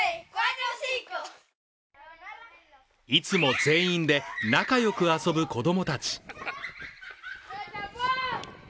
いつも全員で仲良く遊ぶ子供たち。